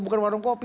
bukan warung kopi